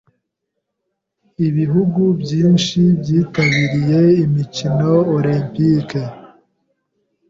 Ibihugu byinshi byitabiriye imikino Olempike.